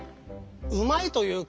うまいというか。